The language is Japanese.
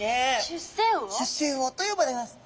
出世魚と呼ばれます。